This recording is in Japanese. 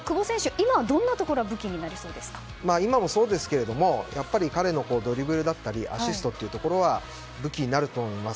今どんなところが今もそうですけども彼のドリブルだったりアシストは武器になると思います。